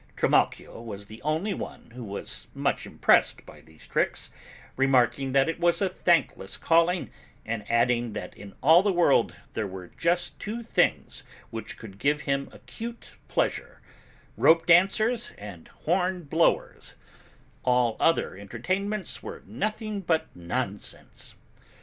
Trimalchio was the only one who was much impressed by these tricks, remarking that it was a thankless calling and adding that in all the world there were just two things which could give him acute pleasure, rope dancers and horn blowers; all other entertainments were nothing but nonsense.